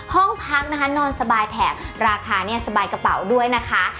ห้องพักนะคะนอนสบายแถบราคาเนี่ยสบายกระเป๋าด้วยนะคะ